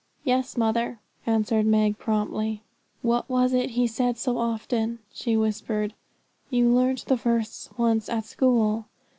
'Yes, mother,' answered Meg promptly. 'What was it he said so often?' she whispered. 'You learnt the verse once at school.'